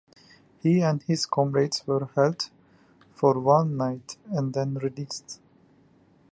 He and his comrades were held for one night and then released.